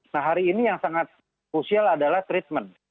nah hari ini yang sangat krusial adalah treatment